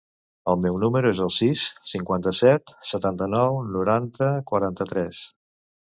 El meu número es el sis, cinquanta-set, setanta-nou, noranta, quaranta-tres.